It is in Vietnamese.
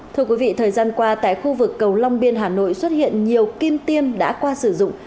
thưa quý vị thời gian qua tại khu vực cầu long biên hà nội xuất hiện nhiều kim tiêm đã qua sử dụng